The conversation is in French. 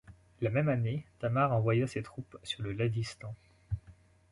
La même année, Tamar envoya ses troupes sur le Lazistan.